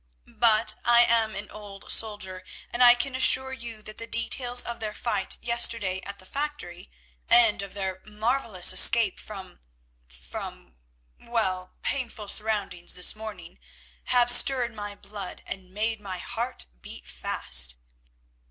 But I am an old soldier, and I can assure you that the details of their fight yesterday at the factory, and of their marvellous escape from—from—well, painful surroundings this morning, have stirred my blood and made my heart beat fast."